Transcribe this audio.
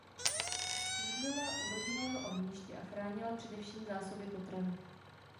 Sídlila u rodinného ohniště a chránila především zásoby potravy.